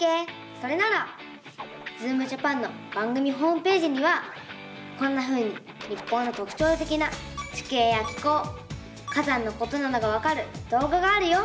それなら「ズームジャパン」の番組ホームページにはこんなふうに日本のとくちょうてきな地形や気候火山のことなどがわかるどうががあるよ！